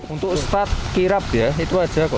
untuk start kirap ya itu aja kok